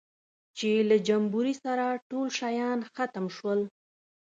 چې له جمبوري سره ټول شیان ختم شول.